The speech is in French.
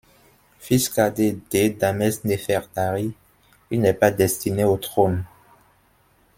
Fils cadet d’ et d’Ahmès-Néfertary, il n'est pas destiné au trône.